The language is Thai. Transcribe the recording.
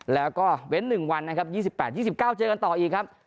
แล้วก็เว้นหนึ่งวันนะครับยี่สิบแปดยี่สิบเก้าเจอกันต่ออีกครับ